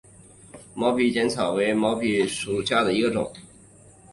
毛披碱草为禾本科披碱草属下的一个种。